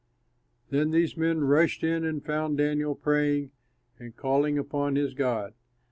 Then these men rushed in and found Daniel praying and calling upon his God.